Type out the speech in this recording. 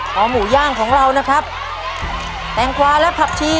ของหมูย่างของเรานะครับแตงควาและผับทริป